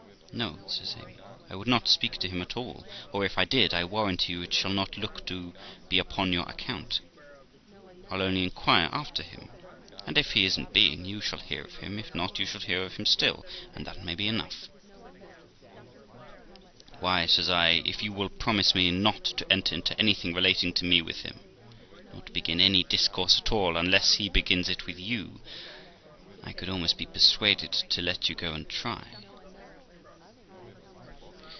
'No', says Amy, 'I would not speak to him at all ; or if I did, I warrant you it shall not look to be upon your account. I'll only inquire after him, and if he is in being, you shall hear of him.; if not, you shall hear of him still, and that may be enough.' 'Why', says I, 'if you will promise me not to enter into anything relating to me with him, nor to begin any discourse at all unless he begins it with you, I could almost be persuaded to let you go and try.'